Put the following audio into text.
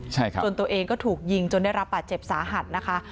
จนตัวเองก็ถูกยิงจนได้รับบัตรเจ็บสาหัสนะคะ